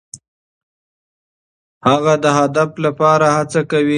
هغه د هدف لپاره هڅه کوي.